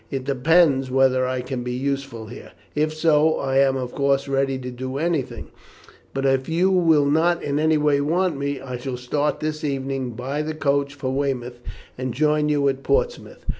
"It depends whether I can be useful here; if so, I am of course ready to do anything, but if you will not in any way want me, I shall start this evening by the coach for Weymouth, and join you at Portsmouth.